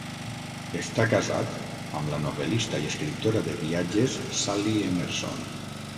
Està casat amb la novel·lista i escriptora de viatges, Sally Emerson.